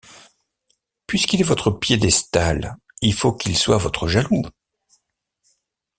Puisqu’il est votre piédestal, il faut qu’il soit votre jaloux.